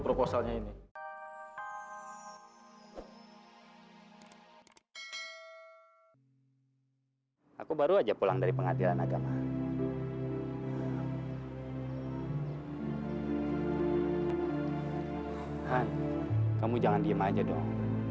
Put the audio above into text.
proposalnya ini baru aja pulang dari pengadilan agama kamu jangan diem aja dong